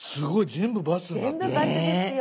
全部バツですよ。